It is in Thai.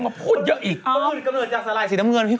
เป็นเพื่อนเดียวใน